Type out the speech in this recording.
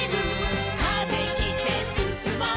「風切ってすすもう」